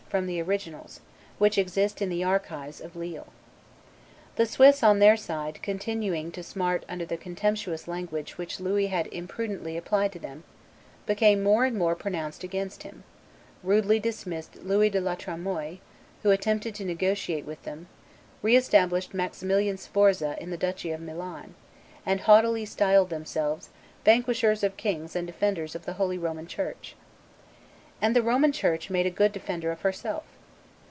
from the originals, which exist in the archives of Lille.] The Swiss, on their side, continuing to smart under the contemptuous language which Louis had imprudently applied to them, became more and more pronounced against him, rudely dismissed Louis de la Tremoille, who attempted to negotiate with them, re established Maximilian Sforza in the duchy of Milan, and haughtily styled themselves "vanquishers of kings and defenders of the holy Roman Church." And the Roman Church made a good defender of herself.